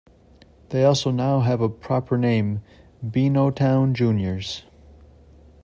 They also now have a proper name - 'Beanotown Juniors'.